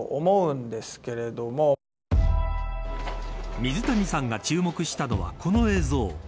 水谷さんが注目したのはこの映像。